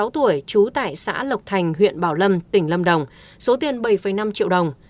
sáu mươi tuổi trú tại xã lộc thành huyện bảo lâm tỉnh lâm đồng số tiền bảy năm triệu đồng